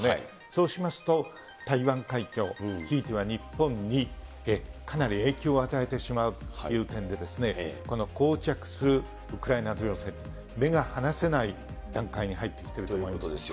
そうしますと、台湾海峡、ひいては日本にかなり影響を与えてしまうという点で、こう着するウクライナ情勢、目が離せない段階に入ってきていると思います。